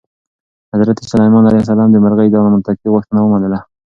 حضرت سلیمان علیه السلام د مرغۍ دا منطقي غوښتنه ومنله.